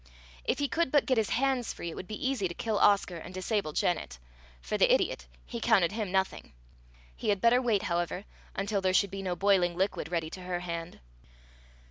If he could but get his hands free, it would be easy to kill Oscar and disable Janet. For the idiot, he counted him nothing. He had better wait, however, until there should be no boiling liquid ready to her hand.